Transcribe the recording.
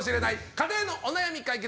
家庭のお悩み解決！